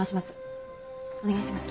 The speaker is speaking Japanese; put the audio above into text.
お願いします。